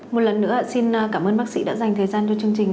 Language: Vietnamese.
một lần nữa xin cảm ơn bác sĩ đã dành thời gian cho chương trình